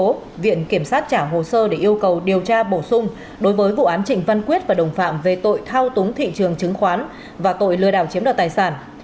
trong đó viện kiểm sát trả hồ sơ để yêu cầu điều tra bổ sung đối với vụ án trịnh văn quyết và đồng phạm về tội thao túng thị trường chứng khoán và tội lừa đảo chiếm đoạt tài sản